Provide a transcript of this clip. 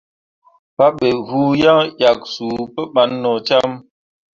Pabe vuu yaŋ ʼyak suu pǝɓan nocam.